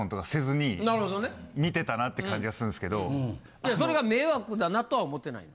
いやそれが迷惑だなとは思ってないの？